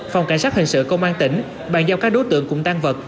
phòng cảnh sát hình sự công an tỉnh bàn giao các đối tượng cùng tan vật